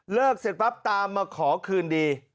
เสร็จปั๊บตามมาขอคืนดี